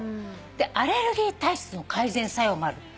アレルギー体質の改善作用もある。